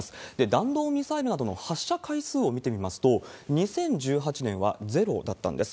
弾道ミサイルなどの発射回数を見てみますと、２０１８年はゼロだったんです。